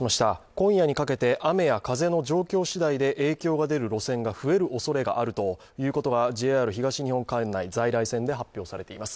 今夜にかけて雨や風の状況しだいで影響が出る路線が増えるおそれがあるということがＪＲ東日本管内、在来線で発表されています。